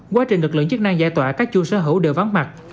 quá trình lực lượng chức năng giải tỏa các chủ sở hữu đều vắng mặt